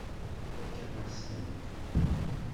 Fakeɣ-as-tent.